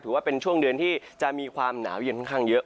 ถือว่าเป็นช่วงเดือนที่จะมีความหนาวเย็นค่อนข้างเยอะ